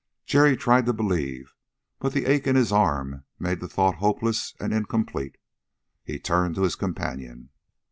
Jerry tried to believe, but the ache in his arm made the thought hopeless and incomplete. He turned to his companion.